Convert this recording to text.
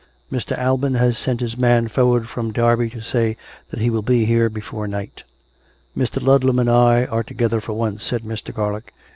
" Mr. Alban has sent his man forward from Derby to say that he will be here before night." " Mr. Ludlam and I are together for once," said Mr. Garlick.